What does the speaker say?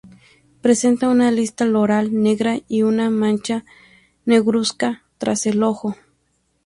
Presenta una lista loral negra y una mancha negruzca tras el ojo.